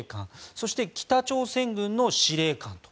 そして北朝鮮軍の司令官。